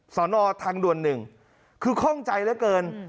สอนออทางด่วนหนึ่งคือค่องใจแล้วเกิน